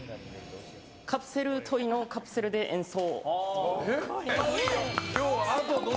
カプセルトイのカプセルで演奏。